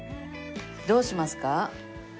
どうしますか？